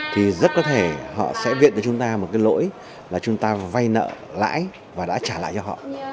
thì rất có thể họ sẽ viện cho chúng ta một cái lỗi là chúng ta vay nợ lãi và đã trả lại cho họ